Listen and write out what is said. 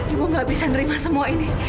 ibu gak bisa nerima semua ini